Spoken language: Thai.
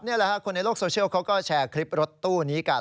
นี่แหละฮะคนในโลกโซเชียลเขาก็แชร์คลิปรถตู้นี้กัน